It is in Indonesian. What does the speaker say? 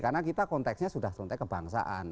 karena kita konteksnya sudah terhentai kebangsaan